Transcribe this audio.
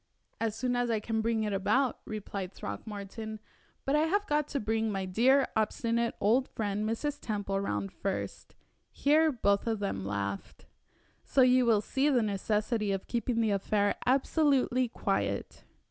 "As soon as I can bring it about," replied Throckmorton; "but I have got to bring my dear, obstinate old friend Mrs. Temple round first" here both of them laughed "so you will see the necessity of keeping the affair absolutely quiet."